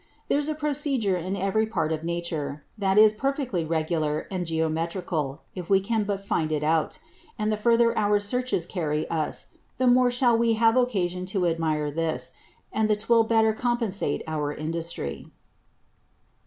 There's a Procedure in every part of Nature, that is perfectly regular and geometrical, if we can but find it out; and the further our Searches carry us, the more shall we have occasion to admire this, and the better 'twill compensate our Industry.